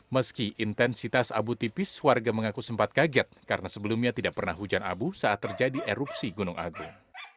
meski intensitas abu tipis warga mengaku sempat kaget karena sebelumnya tidak pernah hujan abu saat terjadi erupsi gunung agung